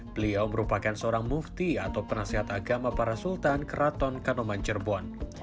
beliau merupakan seorang mufti atau penasehat agama para sultan keraton kanoman cerbon